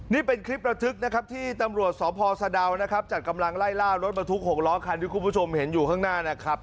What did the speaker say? นี่เป็นคลิประทึกนะครับที่ตำรวจสพสะดาวนะครับจัดกำลังไล่ล่ารถบรรทุก๖ล้อคันที่คุณผู้ชมเห็นอยู่ข้างหน้านะครับ